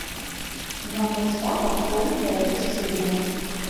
Мякаць шапак тонкая і шчыльная.